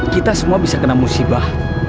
kita semua bisa kena musibah